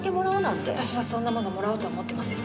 私はそんなものもらおうとは思ってません。